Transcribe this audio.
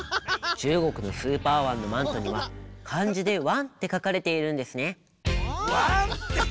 中国のスーパーワンのマントにはかんじで「ワン」ってかかれているんですね。